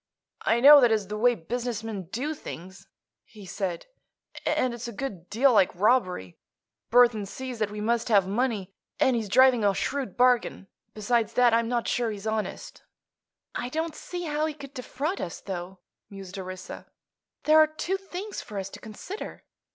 "I know that is the way business men do things," he said, "and it's a good deal like robbery. Burthon sees that we must have money, and he's driving a shrewd bargain. Besides that, I'm not sure he's honest." "I don't see how he could defraud us, though," mused Orissa. "There are two things for us to consider.